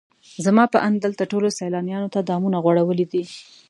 زما په اند دلته ټولو سیلانیانو ته دامونه غوړولي دي.